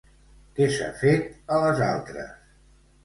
Què s'ha fet a les altres?